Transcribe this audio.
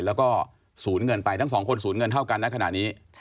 แล้วก็สูญเงินไปทั้ง๒คนสูญเงินเท่ากันแล้วขนาดนี้